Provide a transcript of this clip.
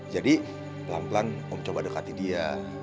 jadi pelan pelan om coba dekati dia